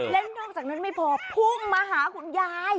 และนอกจากนั้นไม่พอพุ่งมาหาคุณยาย